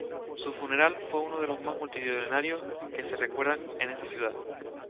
Su funeral fue uno de los más multitudinarios que se recuerdan en esa ciudad.